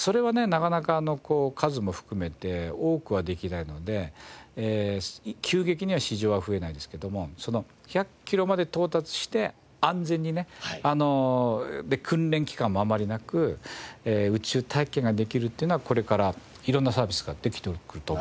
なかなか数も含めて多くはできないので急激には市場は増えないですけどもその１００キロまで到達して安全にね訓練期間もあんまりなく宇宙体験ができるっていうのはこれから色んなサービスができてくると思います。